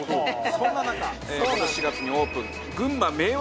そんな中今年４月にオープン群馬明和